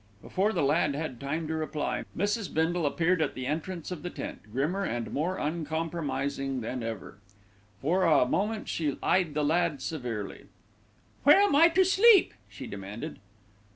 Before the lad had time to reply, Mrs. Bindle appeared at the entrance of the tent, grimmer and more uncompromising than ever. For a moment she eyed the lad severely. "Where am I to sleep?" she demanded.